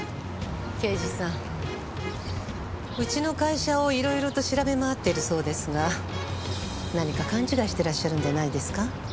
刑事さんうちの会社を色々と調べ回っているそうですが何か勘違いしてらっしゃるんじゃないですか？